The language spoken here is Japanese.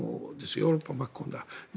ヨーロッパを巻き込んだ。